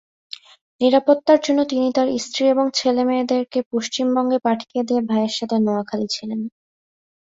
নিরাপত্তার জন্য তিনি তার স্ত্রী এবং ছেলেমেয়েদের পশ্চিমবঙ্গে পাঠিয়ে দিয়ে ভাইয়ের সাথে নোয়াখালী ছিলেন।